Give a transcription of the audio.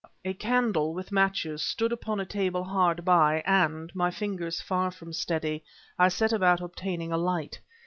A candle, with matches, stood upon a table hard by, and, my fingers far from steady, I set about obtaining a light.